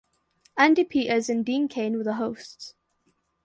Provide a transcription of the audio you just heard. Andi Peters and Dean Cain were the hosts.